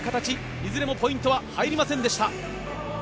いずれもポイントは入りませんでした。